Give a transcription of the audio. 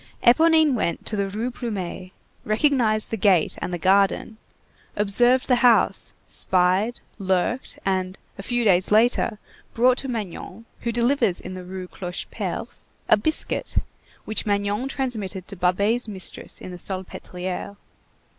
Éponine went to the Rue Plumet, recognized the gate and the garden, observed the house, spied, lurked, and, a few days later, brought to Magnon, who delivers in the Rue Clocheperce, a biscuit, which Magnon transmitted to Babet's mistress in the Salpêtrière.